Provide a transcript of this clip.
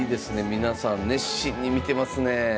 皆さん熱心に見てますね。